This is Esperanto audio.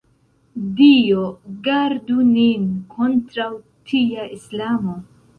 Dio gardu nin kontraŭ tia islamo!